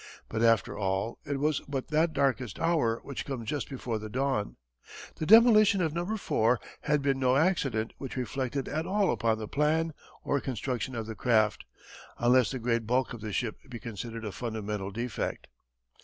But after all it was but that darkest hour which comes just before the dawn. The demolition of "No. IV." had been no accident which reflected at all upon the plan or construction of the craft unless the great bulk of the ship be considered a fundamental defect.